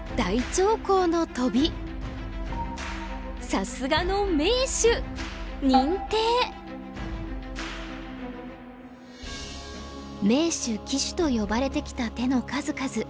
さすがの名手・鬼手と呼ばれてきた手の数々。